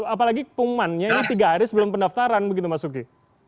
apalagi kumannya ini tiga hari sebelum pendaftaran begitu mas uki